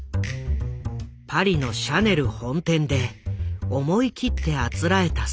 パリのシャネル本店で思い切ってあつらえたスーツ。